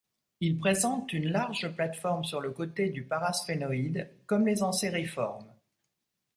Ils présentent une large plate-forme sur le côté du parasphénoïde, comme les Anseriformes.